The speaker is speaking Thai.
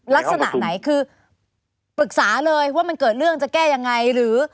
ลักษณะไหนคือปรึกษาเลยว่ามันเกิดเรื่องจะแก้ยังไงหรือ